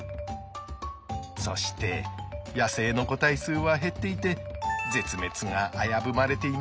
そして野生の個体数は減っていて絶滅が危ぶまれています。